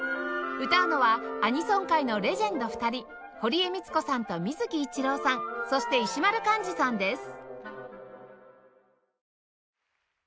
歌うのはアニソン界のレジェンド２人堀江美都子さんと水木一郎さんそして石丸幹二さんです